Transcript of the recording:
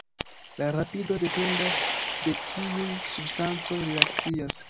La rapido dependas de kiuj substancoj reakcias.